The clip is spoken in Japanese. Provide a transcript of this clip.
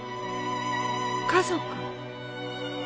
家族。